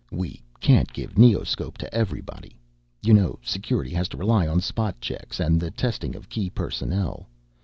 We can't give neoscop to everybody, you know Security has to rely on spot checks and the testing of key personnel.